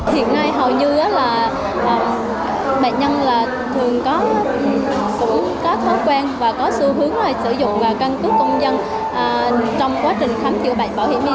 hiện nay hầu như là bệnh nhân thường có thói quen và có xu hướng sử dụng căn cứ công dân trong quá trình khám chữa bệnh bảo hiểm y tế